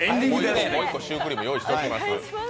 もう一個、シュークリーム用意しておきます。